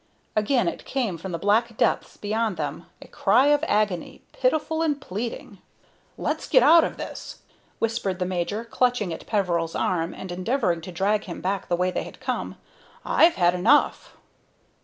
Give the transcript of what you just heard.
Again it came from the black depths beyond them a cry of agony, pitiful and pleading. "Let's get out of this," whispered the major, clutching at Peveril's arm and endeavoring to drag him back the way they had come. "I've had enough."